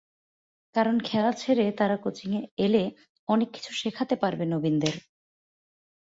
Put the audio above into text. কারণ, খেলা ছেড়ে তাঁরা কোচিংয়ে এলে অনেক কিছু শেখাতে পারবে নবীনদের।